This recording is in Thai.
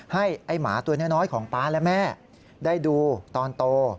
ให้ไอ้หมาตัวน้อยของป๊าและแม่ได้ดูตอนโต